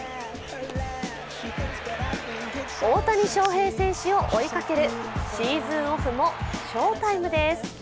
大谷翔平選手を追いかけるシーズンオフも「賞−ＴＩＭＥ」です。